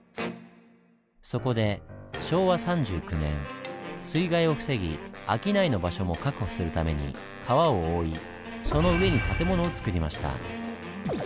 そこで昭和３９年水害を防ぎ商いの場所も確保するために川を覆いその上に建物を造りました。